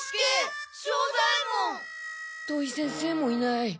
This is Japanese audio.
土井先生もいない。